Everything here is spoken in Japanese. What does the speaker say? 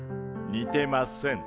にてません。